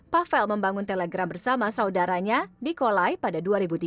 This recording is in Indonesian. pavel membangun telegram bersama saudaranya di kolai pada dua ribu tiga